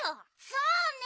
そうね！